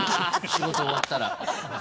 仕事終わったら。